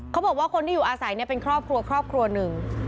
เขาบอกว่าคนที่อยู่อาศัยเนี่ยเป็นครอบครัวครอบครัวหนึ่ง